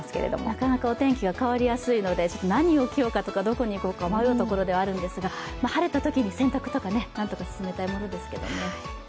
なかなかお天気は変わりやすいので、何を着ようか、どこに行こうか、迷うところではあるんですが、晴れたときに洗濯とかなんとか進めたいものですね。